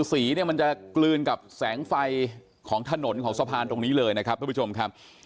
สีมันจะกลืนกับแสงไฟของถนนของสะพานตรงนี้เลยนะครับ